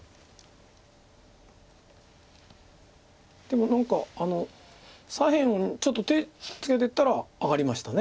でも何か左辺ちょっと手つけていったら上がりました。